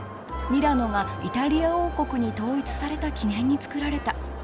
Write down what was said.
ミラノがイタリア王国に統一された記念に造られた。